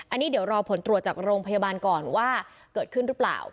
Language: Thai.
อันนี้เดี๋ยวรอผลตรวจจากโรงพยาบาลก่อนว่าเกิดขึ้นหรือเปล่า